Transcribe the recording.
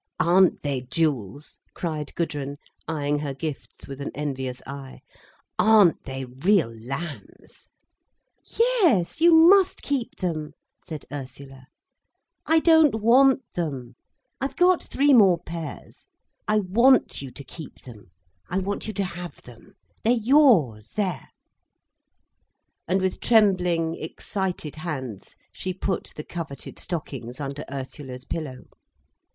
"Aren't they jewels!" cried Gudrun, eyeing her gifts with an envious eye. "Aren't they real lambs!" "Yes, you must keep them," said Ursula. "I don't want them, I've got three more pairs. I want you to keep them—I want you to have them. They're yours, there—" And with trembling, excited hands she put the coveted stockings under Ursula's pillow.